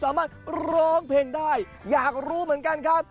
ร้องเพลงได้อยากรู้เหมือนกันครับ